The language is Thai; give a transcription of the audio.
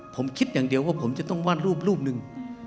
ผมคิดอย่างเดียวว่าผมจะต้องวาดรูปรูปหนึ่ง